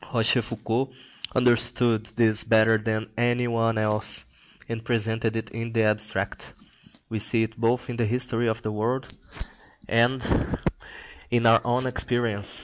Rochefoucault understood this better than any one else, and presented it in the abstract. We see it both in the history of the world and in our own experience.